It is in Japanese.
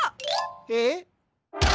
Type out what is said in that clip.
えっ？